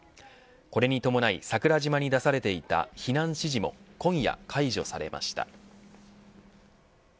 これに伴い、桜島に出されていた避難指示も今夜解除されました。